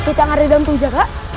rasa sakit yang ada di dalam tubuhnya kak